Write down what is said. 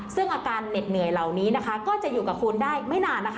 ซึ่งอาการเหน็ดเหนื่อยเหล่านี้นะคะก็จะอยู่กับคุณได้ไม่นานนะคะ